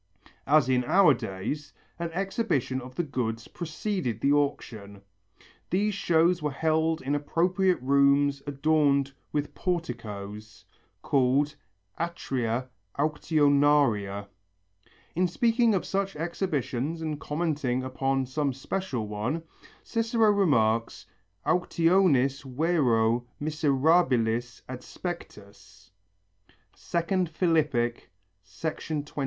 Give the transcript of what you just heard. As in our days, an exhibition of the goods preceded the auction. These shows were held in appropriate rooms adorned with porticos, called atria auctionaria. In speaking of such exhibitions and commenting upon some special one, Cicero remarks, Auctionis vero miserabilis adspectus (Phil., II, 29).